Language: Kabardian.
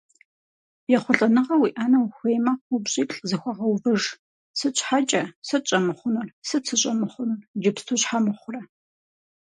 Ехъулӏэныгъэ уиӏэну ухуеймэ, упщӏиплӏ зыхуэвгъэувыж: Сыт Щхьэкӏэ? Сыт щӏэмыхъунур? Сыт сыщӏэмыхъунур? Иджыпсту щхьэ мыхъурэ?